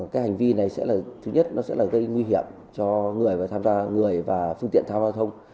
cái hành vi này sẽ là thứ nhất nó sẽ là gây nguy hiểm cho người và tham gia người và phương tiện thao giao thông